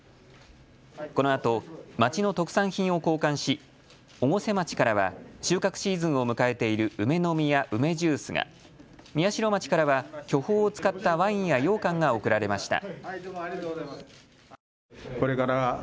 このあと町の特産品を交換し越生町からは収穫シーズンを迎えている梅の実や梅ジュースが、宮代町からは巨峰を使ったワインやようかんが贈られました。